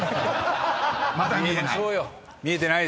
［まだ見えない？］